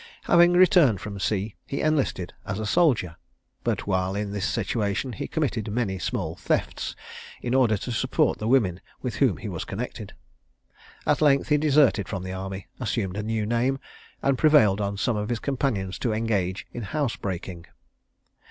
Having returned from sea, he enlisted as a soldier; but while in this situation he committed many small thefts, in order to support the women with whom he was connected. At length he deserted from the army, assumed a new name, and prevailed on some of his companions to engage in housebreaking.